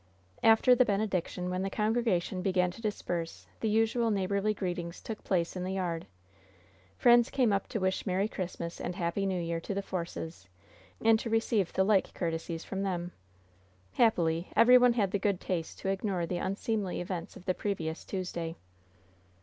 After the benediction, when the congregation began to disperse, the usual neighborly greetings took place in the yard. Friends came up to wish merry Christmas and happy New Year to the Forces, and to receive the like courtesies from them. Happily, every one had the good taste to ignore the unseemly events of the previous Tuesday.